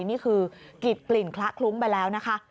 นี่คือกิดกลิ่นคละคลุ้งไปแล้วนะคะ